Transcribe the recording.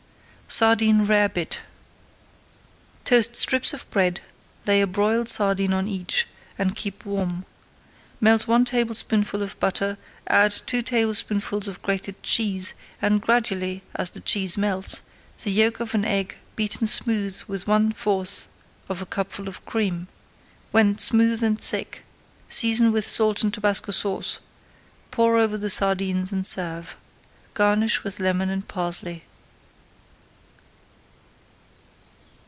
SARDINE RAREBIT Toast strips of bread, lay a broiled sardine on each, and keep warm. Melt one tablespoonful of butter, add two tablespoonfuls of grated cheese, and gradually, as the cheese melts, the yolk of an egg beaten smooth with one fourth of a cupful of cream. When smooth and thick, season with salt and Tabasco Sauce; pour over the sardines and serve. Garnish with lemon and parsley.